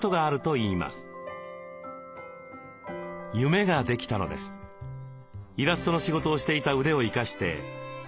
イラストの仕事をしていた腕を生かして漫画を描くこと。